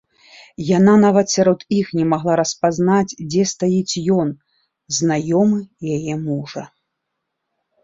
Яна нават сярод іх не магла распазнаць, дзе стаіць ён, знаёмы яе мужа.